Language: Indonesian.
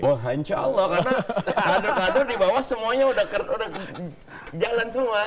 wah insya allah karena kader kader di bawah semuanya udah jalan semua